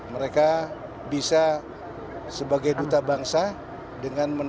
mereka bisa sebagai duta bangsa dengan menempatkan